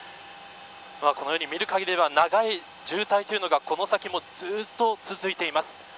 このように見る限りでは長い渋滞というのがこの先もずっと続いています。